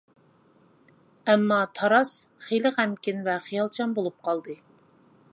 ئەمما تاراس خېلى غەمكىن ۋە خىيالچان بولۇپ قالدى.